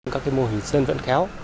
các mô hình dân vận khéo